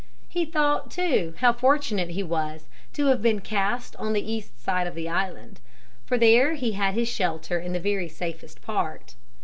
He thought too, how fortunate he was to have been cast on the east side of the island. For there he had his shelter in the very safest part.